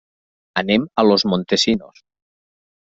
Anem a Los Montesinos.